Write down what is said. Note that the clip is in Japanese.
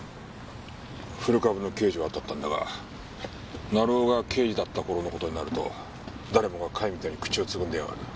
古株の刑事を当たったんだが成尾が刑事だった頃の事になると誰もが貝みたいに口をつぐんでやがる。